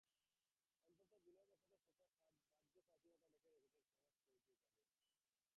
অত্যন্ত বিনয়বশত সেটা বাহ্য প্রাচীনতা দিয়ে ঢেকে রেখেছেন, ক্রমশ পরিচয় পাবেন।